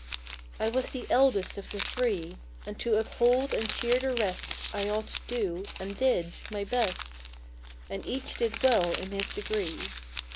I was the eldest of the three, And to uphold and cheer the rest I ought to do and did my best, And each did well in his degree.